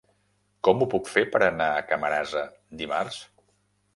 Com ho puc fer per anar a Camarasa dimarts?